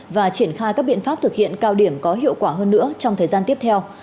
và triển khai các biện pháp thực hiện cao điểm có hiệu quả hơn nữa trong thời gian tiếp theo